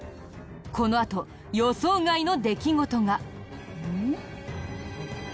このあと予想外の出来事が！